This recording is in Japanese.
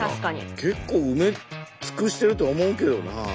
結構埋め尽くしてると思うけどな。